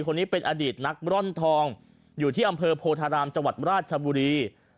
คนนี้เป็นอดีตนักร่อนทองอยู่ที่อำเภอโพธารามจังหวัดราชบุรี